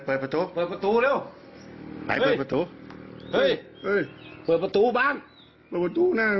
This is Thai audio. เปิดประตู